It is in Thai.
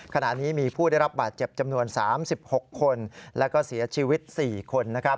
ขณะนี้มีผู้ได้รับบาดเจ็บจำนวน๓๖คนและก็เสียชีวิต๔คน